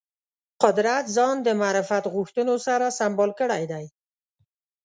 قدرت ځان د معرفت غوښتنو سره سمبال کړی دی